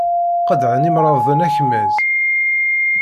Qeḍɛen imrabḍen akmaz.